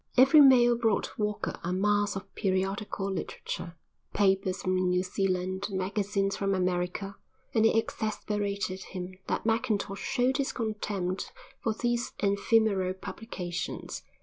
Every mail brought Walker a mass of periodical literature, papers from New Zealand and magazines from America, and it exasperated him that Mackintosh showed his contempt for these ephemeral publications.